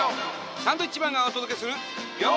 サンドウィッチマンがお届けする。